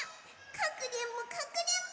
かくれんぼかくれんぼ！